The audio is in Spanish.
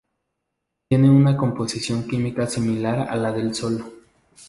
Tiene una composición química similar a la del Sol.